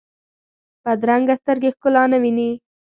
بدرنګه سترګې ښکلا نه ویني